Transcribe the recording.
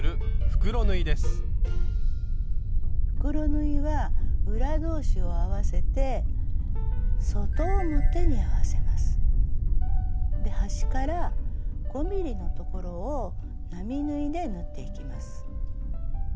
袋縫いは裏同士を合わせてで端から５ｍｍの所を並縫いで縫っていきます。